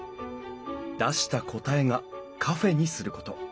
出した答えがカフェにすること。